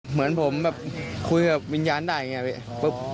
เหมือนผมแบบคุยกับวิญญาณได้อย่างนี้พี่ปุ๊บ